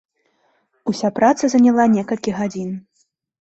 Уся праца заняла некалькі гадзін.